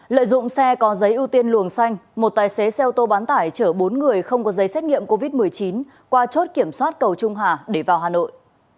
lợi dụng xe có giấy ưu tiên luồng xanh một tài xế xe ô tô bán tải chở bốn người không có giấy xét nghiệm covid một mươi chín qua chốt kiểm soát cầu trung hà để vào hà nội